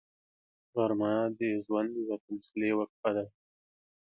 غرمه د ژوند یوه تمثیلي وقفه ده